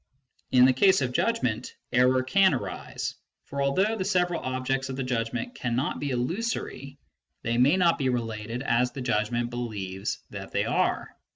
In the case of judgment, error can arise ; for although the several objects of the judgment cannot be illusory, they may not be related as the judgment be lieves that they are.